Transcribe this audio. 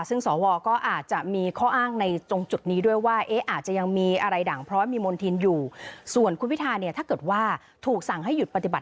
ซึ่งสวอาจจะมี